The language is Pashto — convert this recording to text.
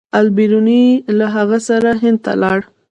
البیروني له هغه سره هند ته لاړ.